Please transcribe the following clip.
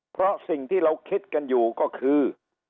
เพราะสิ่งที่เราคิดกันอยู่ก็คือ